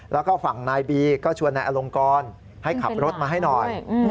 แล้วก็ฝั่งนายบีก็ชวนนายอลงกรให้ขับรถมาให้หน่อย